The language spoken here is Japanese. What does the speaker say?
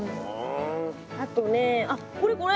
あとねあっこれこれ。